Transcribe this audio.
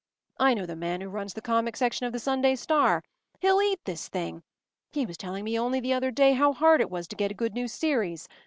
I know the man who runs the comic section of the Sunday Star. He’ll eat this thing. He was telling me only the other day how hard it was to get a good new series.